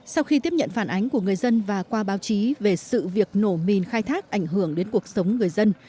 sau khi tiếp nhận phản ánh của người dân và qua báo chí về sự việc nổ mìn khai thác ảnh hưởng đến cuộc sống người dân